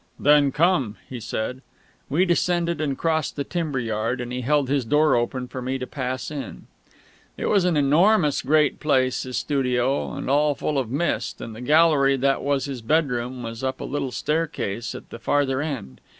"Then come," he said. We descended and crossed the timber yard, and he held his door open for me to pass in. It was an enormous great place, his studio, and all full of mist; and the gallery that was his bedroom was up a little staircase at the farther end.